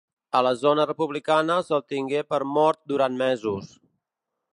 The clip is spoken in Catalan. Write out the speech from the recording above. A la zona republicana se'l tingué per mort durant mesos.